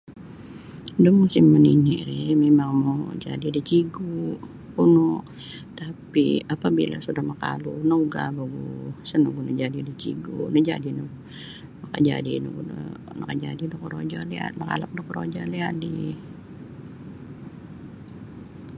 Nu musim menini ri, minang no mau jadi da cigu anu tapi apabila sudah makalu, nungga baguu sa nugu najadi da cigu, menjadi no makajadi no da nakajadi do korojo dial mangalap do korojo diali ali.